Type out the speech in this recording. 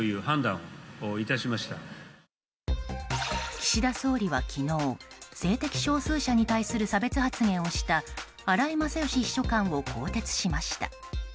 岸田総理は昨日性的少数者に対する差別発言をした荒井勝喜秘書官を更迭しました。